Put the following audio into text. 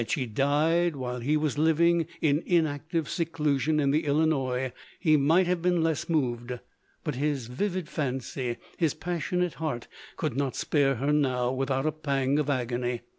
Had she died while he was living in inactive seclusion in the Illinois, he might have been less moved ; his vivid fancy, his passionate heart, could not spare her now, without a pang of agony.